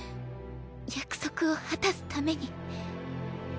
約束を果たすために。